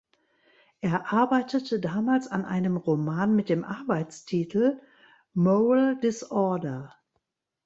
Er arbeitete damals an einem Roman mit dem Arbeitstitel "Moral Disorder".